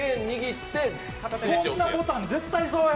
こんなボタン絶対そうや！